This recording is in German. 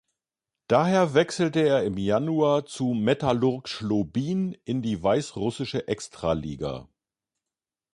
Daher wechselte er im Januar zu Metallurg Schlobin in die weißrussische Extraliga.